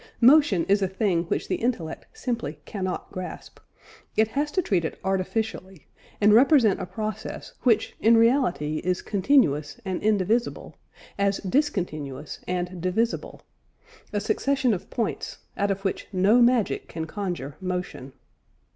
Motion is a thing which the intellect simply cannot grasp; it has to treat it artificially, and represent a process which in reality is continuous and indivisible, as discontinuous and divisible a succession of points, out of which no magic can conjure motion.